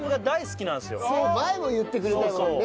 前も言ってくれたもんね。